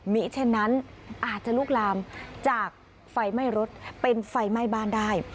มีเช่นนั้นอาจจะลุกลามจากไฟไหม้รถเป็นไฟไหม้บ้านได้